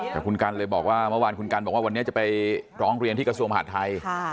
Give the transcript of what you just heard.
แต่คุณกันเลยบอกว่าเมื่อวานคุณกันบอกว่าวันนี้จะไปร้องเรียนที่กระทรวงมหาดไทย